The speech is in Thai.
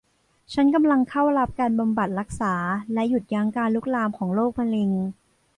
ฉันกำลังเข้ารับการบำบัดรักษาและหยุดยั้งการลุกลามของโรคมะเร็ง